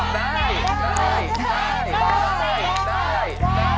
ได้